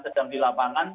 sedang di lapangan